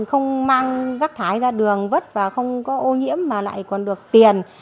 không mang rác thải ra đường vất và không có ô nhiễm mà lại còn được tiền